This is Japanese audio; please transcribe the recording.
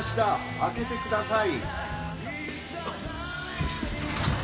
開けてください。